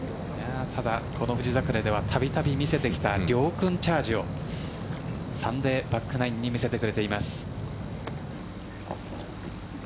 ただ、この富士桜では度々見せてきた遼君チャージをサンデーバックナインに見せてくれています。